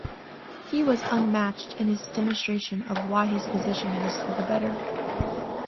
He was unmatched in his demostration of why his position was the better.